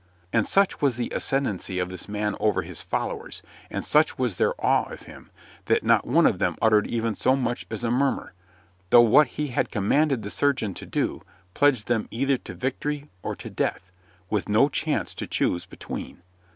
And such was the ascendancy of this man over his followers, and such was their awe of him, that not one of them uttered even so much as a murmur, though what he had commanded the surgeon to do pledged them either to victory or to death, with no chance to choose between.